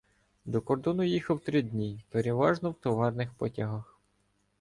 До кордону їхав три дні, переважно в товарних потягах.